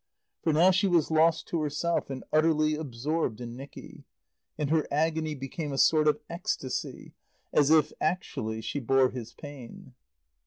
For now she was lost to herself and utterly absorbed in Nicky. And her agony became a sort of ecstasy, as if, actually, she bore his pain.